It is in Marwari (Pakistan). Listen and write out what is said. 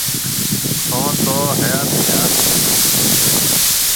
ٿُون تو حياتي هارو جوم سوچتو تو